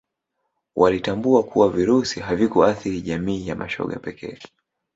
walitambua kuwa virusi havikuathiri jamii ya mashoga pekee